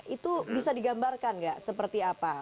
itu bisa digambarkan nggak seperti apa